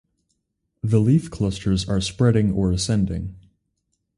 The leaf clusters are spreading or ascending.